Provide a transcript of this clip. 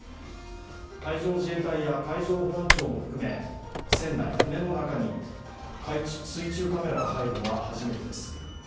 海上自衛隊や海上保安庁も含め船内に水中カメラが入るのは初めてです。